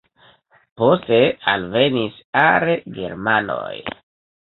Poste alvenis are germanoj.